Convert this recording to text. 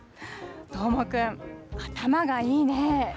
どーもくん、頭がいいね。